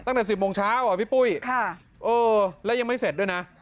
ตั้งแต่๑๐โมงเช้าอ่ะพี่ปุ้ยแล้วยังไม่เสร็จด้วยนะ